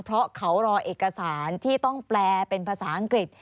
เพราะเขารอเอกสารที่ต้องแปลเป็นภาษาอังกฤษ